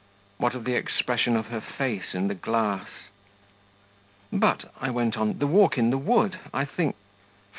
'What of the expression of her face in the glass?' 'But,' I went on, 'the walk in the wood, I think